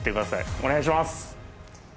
お願いします！